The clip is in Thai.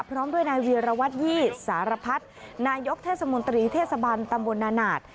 พร้อมด้วยนายเวียรวัตรยี่สารพัฒน์นายกเทศมนตรีเทศบันตำบลนานาศ